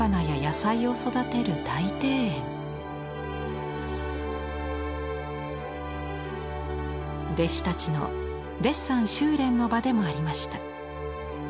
弟子たちのデッサン修練の場でもありました。